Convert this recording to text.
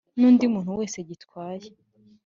n'undi muntu wese gitwaye